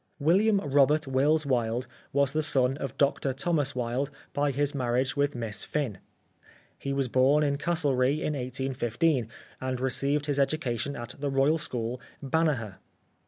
William Robert Wills Wilde was the son of Dr Thomas Wilde by his marriage with Miss Fynn. He was born in Castlerea in 1815, and received his education at the Royal School, Banagher.